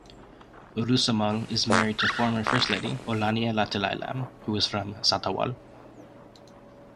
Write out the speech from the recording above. Urusemal is married to former First Lady Olania Latileilam, who is from Satawal.